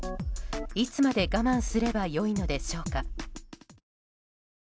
いつまで我慢すればよいのでしょうか。